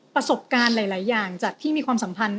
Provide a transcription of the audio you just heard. ประสบการณ์หลายอย่างจากที่มีความสัมพันธ์